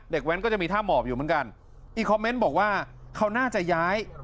แว้นก็จะมีท่าหมอบอยู่เหมือนกันอีกคอมเมนต์บอกว่าเขาน่าจะย้าย